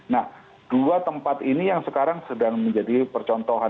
nah dua tempat ini yang sekarang sedang menjadi percontohan